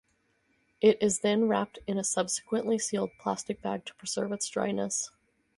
It is then wrapped in a subsequently sealed plastic bag to preserve its dryness.